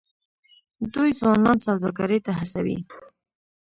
دوی ځوانان سوداګرۍ ته هڅوي.